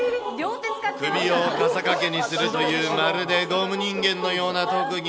首を傘掛けにするというまるでゴム人間のような特技。